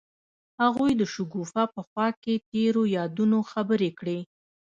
هغوی د شګوفه په خوا کې تیرو یادونو خبرې کړې.